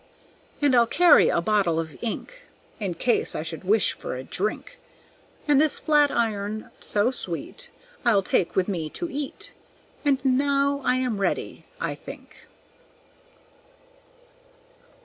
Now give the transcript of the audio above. And I'll carry a bottle of ink In case I should wish for a drink; And this flat iron so sweet I'll take with me to eat, And now I am ready, I think."